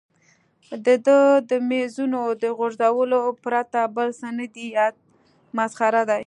د ده د مېزونو د غورځولو پرته بل څه نه دي یاد، مسخره دی.